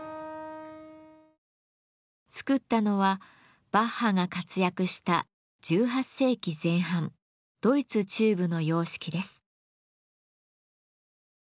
作ったのはバッハが活躍した１８世紀前半ドイツ中部の様式です。